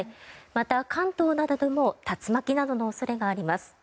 また、関東などでも竜巻などの恐れがあります。